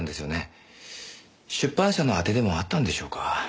出版社の当てでもあったんでしょうか？